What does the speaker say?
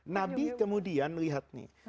nabi kemudian lihat nih